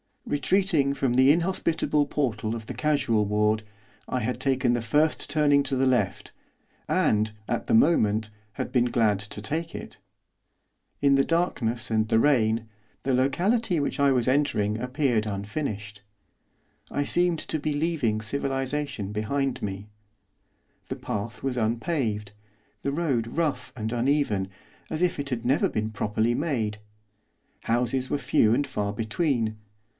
Retreating from the inhospitable portal of the casual ward, I had taken the first turning to the left, and, at the moment, had been glad to take it. In the darkness and the rain, the locality which I was entering appeared unfinished. I seemed to be leaving civilisation behind me. The path was unpaved; the road rough and uneven, as if it had never been properly made. Houses were few and far between.